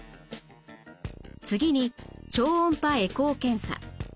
次に超音波エコー検査。